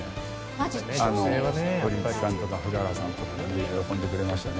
堀内さんとか福原さんとか喜んでくれましたね。